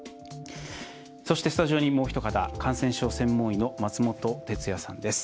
そしてスタジオにもうひと方感染症専門医の松本哲哉さんです。